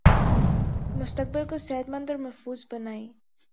مستقبل کو صحت مند اور محفوظ بنائیں